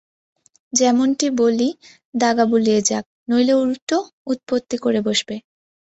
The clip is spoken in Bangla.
যেমনটি বলি দাগা বুলিয়ে যাক্, নইলে উল্টো উৎপত্তি করে বসবে।